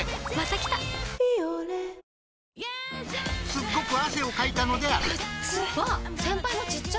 すっごく汗をかいたのであるあっつ。